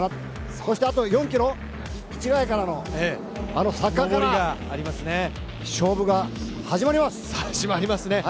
そしてあと４ｋｍ、市ヶ谷からの上りの坂から勝負が始まります。